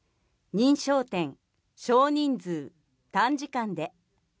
認証店、少人数、短時間で。